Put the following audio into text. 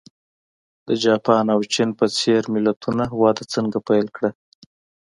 د جاپان او چین په څېر ملتونو وده څنګه پیل کړه.